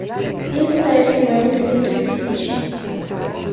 Instead he went into teaching.